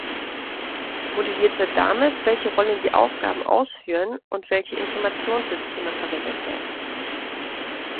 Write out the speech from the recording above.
Modelliert wird damit, welche Rollen die Aufgaben ausführen und welche Informationssysteme verwendet werden.